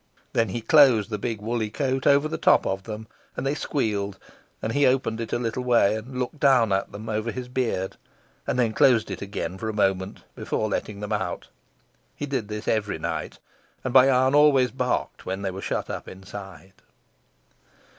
Then he closed the big woolly coat over the top of them and they squealed; and he opened it a little way and looked down at them over his beard, and then closed it again for a moment before letting them out. He did this every night, and Bayan always barked when they were shut up inside.